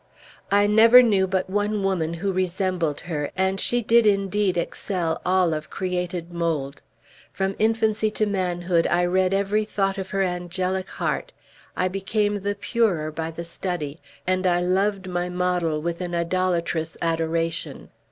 "I never knew but one woman who resembled her, and she did indeed excel all of created mold. From infancy to manhood I read every thought of her angelic heart; I became the purer by the study, and I loved my model with an idolatrous adoration.